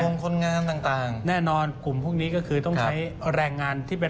คนงานต่างแน่นอนกลุ่มพวกนี้ก็คือต้องใช้แรงงานที่เป็น